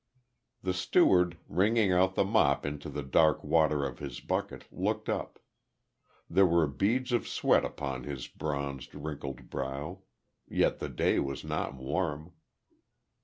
The steward, wringing out the mop into the dark water of his bucket, looked up. There were beads of sweat upon his bronzed, wrinkled brow. Yet the day was not warm.